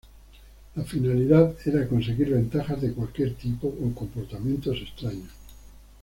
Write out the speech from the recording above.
La finalidad era conseguir ventajas de cualquier tipo o comportamientos extraños.